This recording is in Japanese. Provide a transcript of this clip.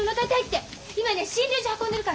今ね診療所運んでるから！早く！